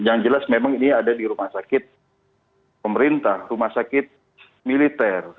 yang jelas memang ini ada di rumah sakit pemerintah rumah sakit militer